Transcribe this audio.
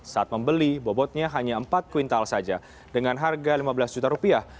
saat membeli bobotnya hanya empat kuintal saja dengan harga lima belas juta rupiah